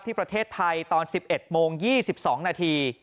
ประเทศไทยตอน๑๑โมง๒๒นาที